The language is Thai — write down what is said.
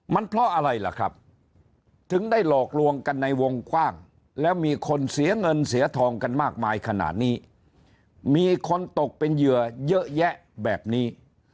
มันเพราะอะไรล่ะครับถึงได้หลอกลวงกันในวงกว้างแล้วมีคนเสียเงินเสียทองกันมากมายขนาดนี้มีคนตกเป็นเหยื่อเยอะแยะแบบนี้